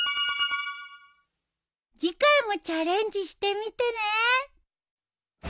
次回もチャレンジしてみてね。